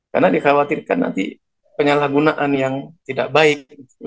karena dikhawatirkan nanti penyalahgunaan yang tidak baik